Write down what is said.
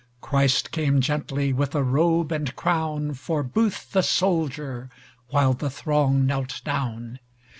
Christ came gently with a robe and crownFor Booth the soldier, while the throng knelt down.